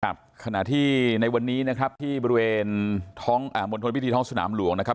ครับขณะที่ในวันนี้นะครับที่บริเวณท้องอ่ามณฑลพิธีท้องสนามหลวงนะครับ